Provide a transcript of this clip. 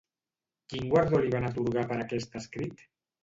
Quin guardó li van atorgar per aquest escrit?